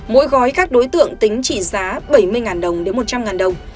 mỗi gói các đối tượng tính trị giá bảy mươi đồng đến một trăm linh đồng